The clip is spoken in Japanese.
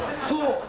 そう。